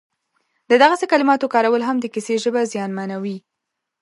د دغسې کلماتو کارول هم د کیسې ژبه زیانمنوي